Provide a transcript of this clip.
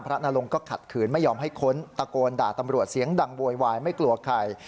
นรงก็ขัดขืนไม่ยอมให้ค้นตะโกนด่าตำรวจเสียงดังโวยวายไม่กลัวใคร